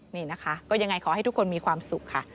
นี่นะคะก็ยังไงขอให้ทุกคนมีความสุขค่ะ